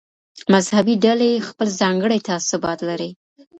مذهبي ډلې خپل ځانګړي تعصبات لري.